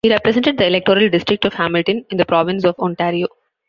He represented the electoral district of Hamilton in the province of Ontario.